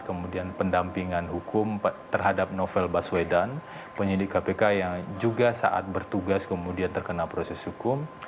kemudian pendampingan hukum terhadap novel baswedan penyidik kpk yang juga saat bertugas kemudian terkena proses hukum